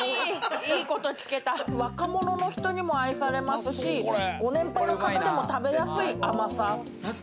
若者の人にも愛されますし、ご年配の方でも食べやすい甘さ。